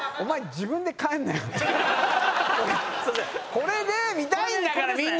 これで見たいんだからみんな。